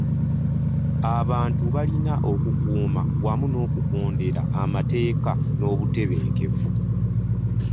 Abantu balina okukuuma wamu n'okugondera amateeka n'obutebenkevu.